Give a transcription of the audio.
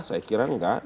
saya kira enggak